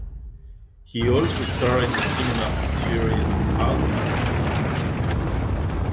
He also starred in the Cinemax series "Outcast".